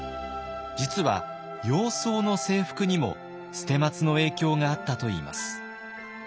実は洋装の制服にも捨松の影響があったといいます。